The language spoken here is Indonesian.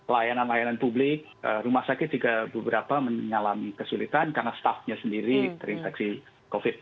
layanan layanan publik rumah sakit juga beberapa menyalami kesulitan karena staffnya sendiri terinfeksi covid sembilan belas